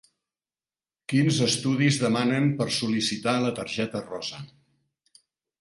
Quins estudis demanen per sol·licitar la targeta rosa?